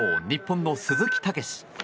日本の鈴木猛史。